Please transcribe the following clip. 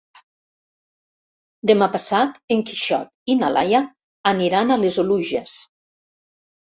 Demà passat en Quixot i na Laia aniran a les Oluges.